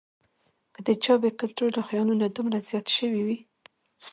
کۀ د چا بې کنټروله خیالونه دومره زيات شوي وي